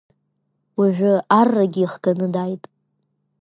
Уажәы аррагьы ихганы дааит.